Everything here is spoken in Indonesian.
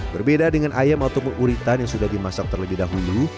berbeda dengan ayam atau uritan yang sudah dimasak terlebih dahulu